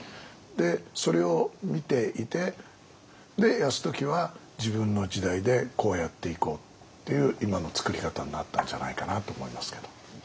でそれを見ていて泰時は自分の時代でこうやっていこうっていう今の作り方になったんじゃないかなと思いますけど。